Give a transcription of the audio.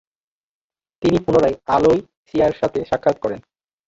তিনি পুনরায় আলোয়সিয়ার সাথে সাক্ষাৎ করেন।